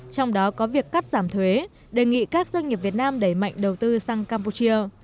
trong đó có việc cắt giảm thuế đề nghị các doanh nghiệp việt nam đẩy mạnh đầu tư sang campuchia